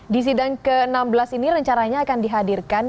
di sidang ke enam belas ini rencananya akan dihadirkan